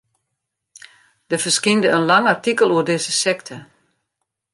Der ferskynde in lang artikel oer dizze sekte.